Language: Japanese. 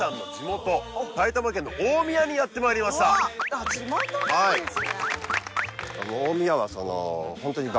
あっ地元なんですね